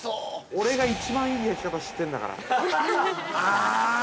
◆俺が一番いい焼き方を知ってんだから。